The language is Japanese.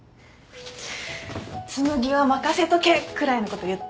紬は任せとけくらいのこと言った？